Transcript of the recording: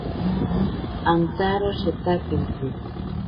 Antaro shetakintsi.